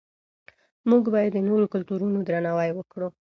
موږ باید د نورو کلتورونو درناوی وکړو.